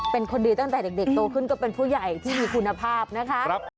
เป็นคนดีตั้งแต่เด็กโตขึ้นก็เป็นผู้ใหญ่ที่มีคุณภาพนะคะ